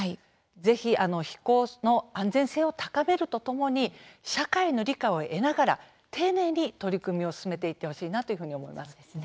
ぜひ、飛行の安全性を高めるとともに社会の理解を得ながら丁寧に取り組みを進めていってほしいなというふうに思います。